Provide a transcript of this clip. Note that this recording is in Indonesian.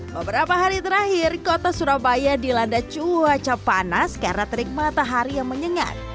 beberapa hari terakhir kota surabaya dilanda cuaca panas karena terik matahari yang menyengat